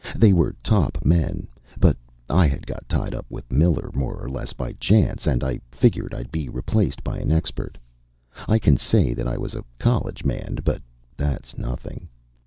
They were top men. But I had got tied up with Miller more or less by chance, and I figured I'd be replaced by an expert. I can say that I was a college man, but that's nothing.